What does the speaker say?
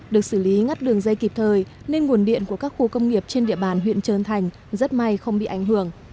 được xử lý ngắt đường dây kịp thời nên nguồn điện của các khu công nghiệp trên địa bàn huyện trơn thành rất may không bị ảnh hưởng